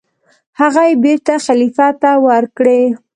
هغه یې بېرته خلیفه ته ورکړې.